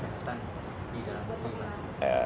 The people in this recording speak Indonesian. penguatan dalam kegiatan